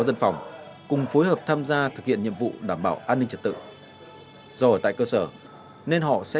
dân phòng cùng phối hợp tham gia thực hiện nhiệm vụ đảm bảo an ninh trật tự do ở tại cơ sở nên họ sẽ